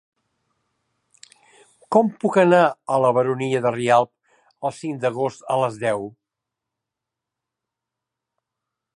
Com puc anar a la Baronia de Rialb el cinc d'agost a les deu?